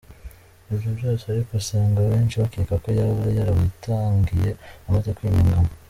Ibyo byose ariko usanga abenshi bakeka ko yaba yarabitangiye amaze kwima ingoma.